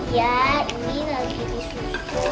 iya ini lagi disusun